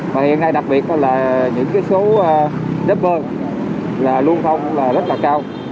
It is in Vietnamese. và hiện nay đặc biệt là những số đếp bơ là lưu thông rất là cao